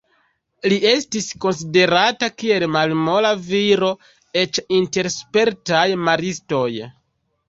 Li estis konsiderata kiel malmola viro eĉ inter spertaj maristoj.